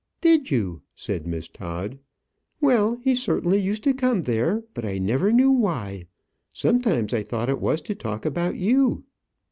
"Did you?" said Miss Todd. "Well, he certainly used to come there, but I never knew why. Sometimes I thought it was to talk about you."